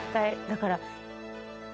だから。